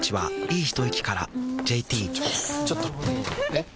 えっ⁉